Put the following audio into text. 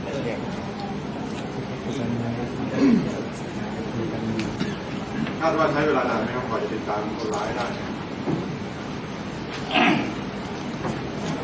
ถ้าสถาบันไดเขาค่อยติดตามคนร้ายก่อน